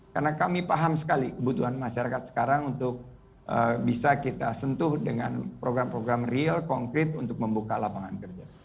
karena kami paham sekali kebutuhan masyarakat sekarang untuk bisa kita sentuh dengan program program real konkret untuk membuka lapangan kerja